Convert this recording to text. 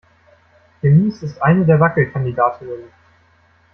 Denise ist eine der Wackelkandidatinnen.